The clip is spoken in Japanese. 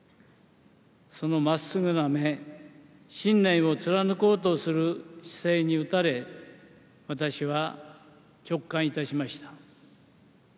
そのまっすぐな目、信念を貫こうとする姿勢に打たれ、私は直感いたしました。